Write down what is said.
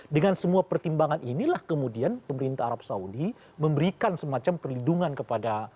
dengan semua pertimbangan inilah kemudian pemerintah arab saudi memberikan semacam perlindungan kepada